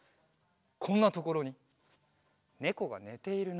こんなところにねこがねているな。